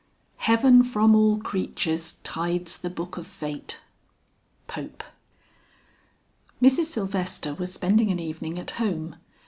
"Heaven from all creatures tides the book of Fate." POPE. Mrs. Sylvester was spending an evening at home.